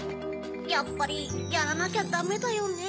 やっぱりやらなきゃダメだよね。